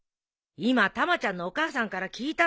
今たまちゃんのお母さんから聞いたのよ。